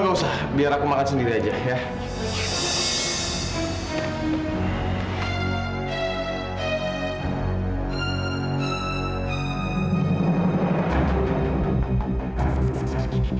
nggak usah biar aku makan sendiri aja ya